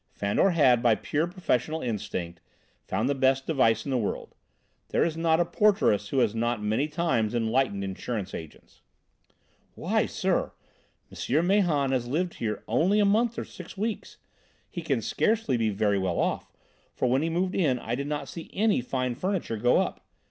Fandor had, by pure professional instinct, found the best device in the world. There is not a porteress who has not many times enlightened insurance agents. "Why, sir, M. Mahon has lived here only a month or six weeks. He can scarcely be very well off, for when he moved in I did not see any fine furniture go up.